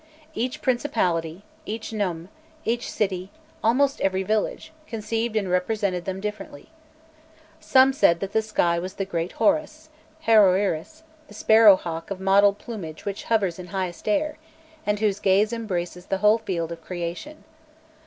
Each principality, each nome, each city, almost every village, conceived and represented them differently. Some said that the sky was the Great Horus, Haroêris, the sparrow hawk of mottled plumage which hovers in highest air, and whose gaze embraces the whole field of creation.